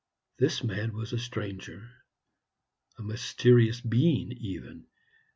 This man was a stranger, a mysterious being even.